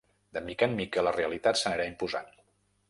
De mica en mica, la realitat s’anirà imposant.